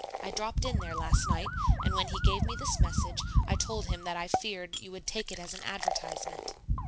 I dropped in there last night; and when he gave me this message, I told him that I feared you would take it as an advertisement.